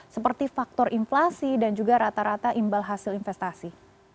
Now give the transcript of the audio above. seperti faktor inflasi dan juga rata rata imbal hasil investasi